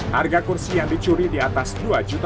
harga pencurian ini menurun dari rp satu juta